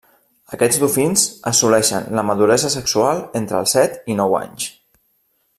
Aquests dofins assoleixen la maduresa sexual a entre els set i nou anys.